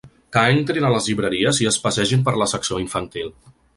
Que entrin a les llibreries i es passegin per la secció infantil.